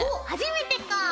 初めてか。